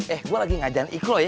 eh gua lagi ngajarin ikhlo ya